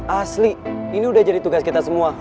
asli ini udah jadi tugas kita semua